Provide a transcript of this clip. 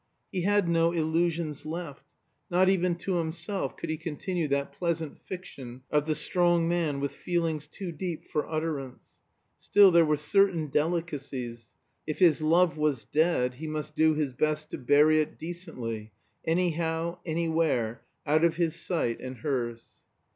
He had no illusions left. Not even to himself could he continue that pleasant fiction of the strong man with feelings too deep for utterance. Still, there were certain delicacies: if his love was dead he must do his best to bury it decently anyhow, anywhere, out of his sight and hers.